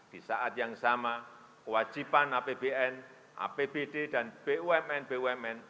di saat yang sama kewajiban apbn apbd dan bumn bumn